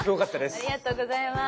ありがとうございます。